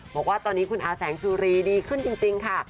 บอกว่าตอนนี้คุณอาแสงสุรีดีขึ้นจริงค่ะ